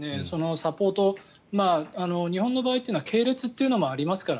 サポート、日本の場合は系列というのもありますから。